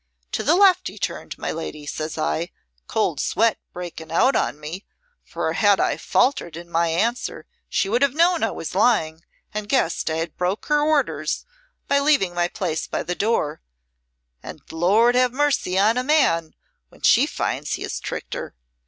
'To the left he turned, my lady,' says I, cold sweat breaking out on me, for had I faltered in an answer she would have known I was lying and guessed I had broke her orders by leaving my place by the door and Lord have mercy on a man when she finds he has tricked her.